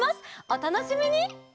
おたのしみに！